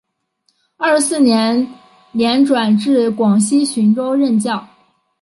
二十四年年转至广西浔州任教。